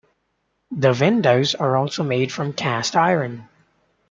The windows are also made from cast iron.